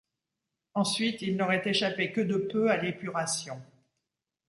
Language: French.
Ensuite, il n'aurait échappé que de peu à l'épuration.